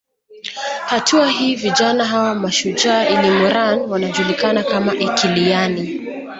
Hatua hii vijana hawa mashujaa ilmurran wanajulikana kama ilkiliyani